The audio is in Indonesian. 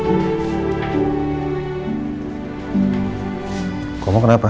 aku mau kenapa